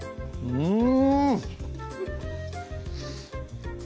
うん！